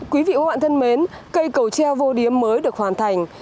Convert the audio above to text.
quý vị và các bạn thân mến cây cầu treo vô điếm mới được hoàn thành